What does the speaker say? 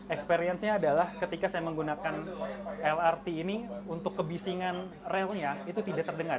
experience nya adalah ketika saya menggunakan lrt ini untuk kebisingan relnya itu tidak terdengar